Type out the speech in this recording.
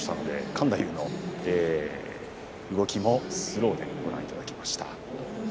勘太夫の動きもスローでご覧いただきました。